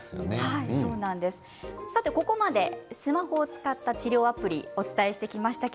ここまでスマホを使った治療アプリについてお伝えしてきました。